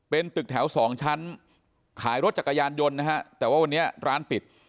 เป็นตึกแถวสองชั้นขายรถจักรยานยนต์นะฮะแต่ว่าวันนี้ร้านปิด